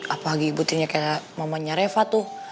apalagi ibu tirinya kayak mamanya reva tuh